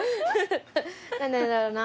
何なんだろうな。